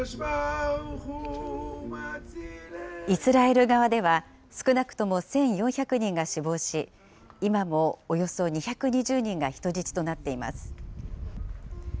イスラエル側では、少なくとも１４００人が死亡し、今もおよそ２２０人が人質となっています。